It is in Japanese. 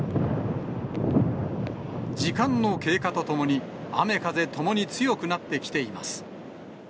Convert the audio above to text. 時間の経過とともに、雨風ともに強くなってきています。